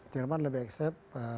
jerman lebih accept